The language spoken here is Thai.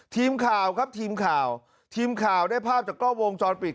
ทีมข่าวครับทีมข่าวทีมข่าวได้ภาพจากกล้องวงจรปิด